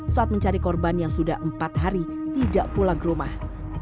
saat mencari korban yang sudah empat hari tidak pulang ke rumah